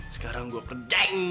sekarang gue kerjain